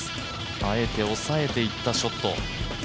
あえて抑えていったショット。